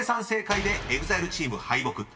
正解でＥＸＩＬＥチーム敗北。